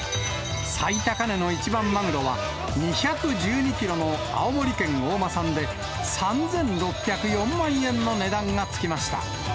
最高値の一番マグロは、２１２キロの青森県大間産で、３６０４万円の値段がつきました。